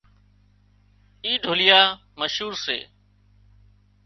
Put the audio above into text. اين ڍوليئا مشهور سي